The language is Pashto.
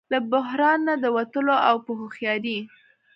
له بحران نه د وتلو او په هوښیارۍ